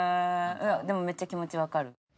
いやでもめっちゃ気持ちわかる。